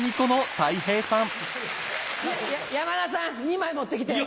山田さん２枚持って来て。